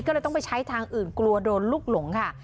ก็เลยต้องไปใช้ทางอื่นกลัวโดนลูกหลงค่ะ